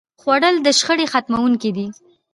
خوړل د شخړې ختموونکی دی